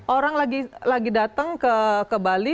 orang lagi datang ke bali